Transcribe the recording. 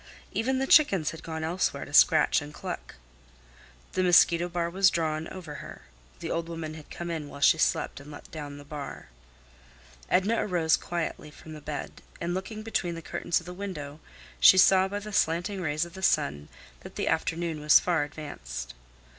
Even the chickens had gone elsewhere to scratch and cluck. The mosquito bar was drawn over her; the old woman had come in while she slept and let down the bar. Edna arose quietly from the bed, and looking between the curtains of the window, she saw by the slanting rays of the sun that the afternoon was far advanced.